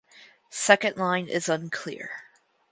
Second line is unclear.